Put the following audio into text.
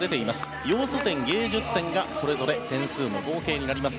要素点、芸術点がそれぞれ点数の合計になります。